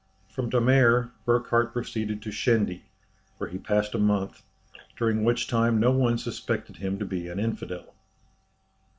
From Damer, Burckhardt proceeded to Shendy, where he passed a month, during which time no one suspected him to be an infidel.